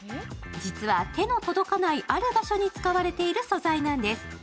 実は手のとどかないある場所に使われている素材なんです。